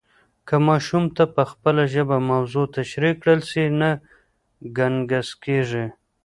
که ماشوم ته په خپله ژبه موضوع تشریح کړل سي، نه ګنګس کېږي.